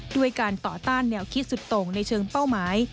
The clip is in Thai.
ด้วยการต่อต้านแนวคิดสุดตรงในเชิงเป้าหมาย